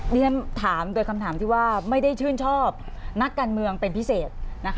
เรียนถามโดยคำถามที่ว่าไม่ได้ชื่นชอบนักการเมืองเป็นพิเศษ